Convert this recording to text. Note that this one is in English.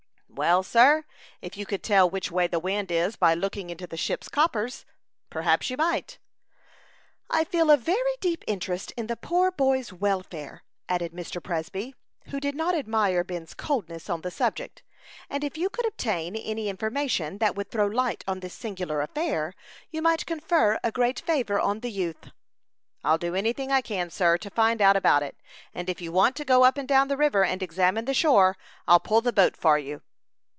"Well, sir, if you could tell which way the wind is by looking into the ship's coppers, perhaps you might." "I feel a very deep interest in the poor boy's welfare," added Mr. Presby, who did not admire Ben's coldness on the subject; "and if you could obtain any information that would throw light on this singular affair, you might confer a great favor on the youth." "I'll do any thing I can, sir, to find out about it; and if you want to go up and down the river and examine the shore, I'll pull the boat for you."